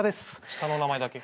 下の名前だけ。